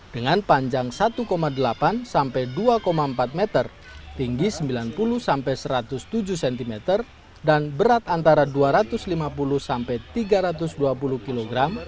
dengan panjang satu delapan sampai dua empat meter tinggi sembilan puluh sampai satu ratus tujuh cm dan berat antara dua ratus lima puluh sampai tiga ratus dua puluh kg